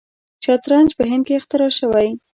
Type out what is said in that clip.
شطرنج په هند کې اختراع شوی.